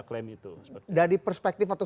klaim itu dari perspektif atau